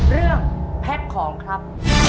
เรื่องแพ็คของครับ